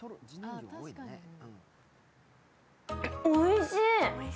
おいしい！